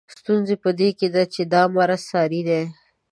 ستونزه په دې کې ده چې دا مرض ساري دی.